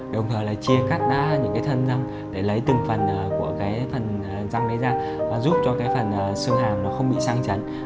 đồng thời là chia cắt những thân răng để lấy từng phần răng ấy ra giúp cho phần sương hàm không bị sang chấn